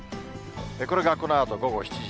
これがこのあと午後７時。